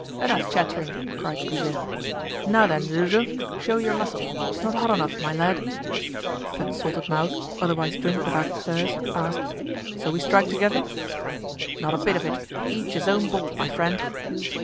"Enough chattering," cried Goujet. "Now then, Zouzou, show your muscle! It's not hot enough, my lad." But Salted Mouth, otherwise Drink without Thirst, asked: "So we strike together?" "Not a bit of it! each his own bolt, my friend!"